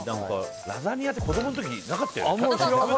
ラザニアって子供の時なかったよね。